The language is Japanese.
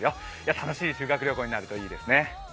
楽しい修学旅行になるといいですね。